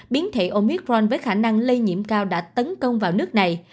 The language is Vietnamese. biến thể omicron với khả năng lây nhiễm cao đã tấn công vào nước này